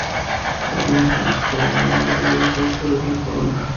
Algunos machos tienen algo de verde en el dorso o en la corona.